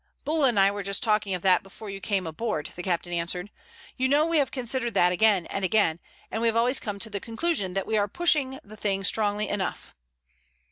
"Bulla and I were just talking of that before you came aboard," the captain answered. "You know we have considered that again and again, and we have always come to the conclusion that we are pushing the thing strongly enough."